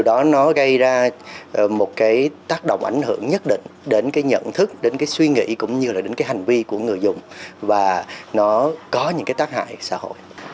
đây là một tác động ảnh hưởng nhất định đến nhận thức suy nghĩ cũng như hành vi của người dùng và nó có những tác hại xã hội